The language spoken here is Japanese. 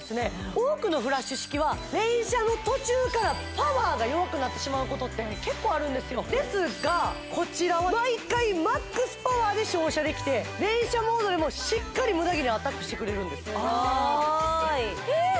多くのフラッシュ式は連射の途中からパワーが弱くなってしまうことって結構あるんですよですがこちらは毎回マックスパワーで照射できて連射モードでもしっかりムダ毛にアタックしてくれるんですえっ